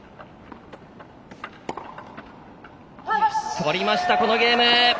とりました、このゲーム。